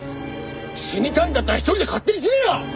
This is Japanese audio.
死にたいんだったら一人で勝手に死ねよ！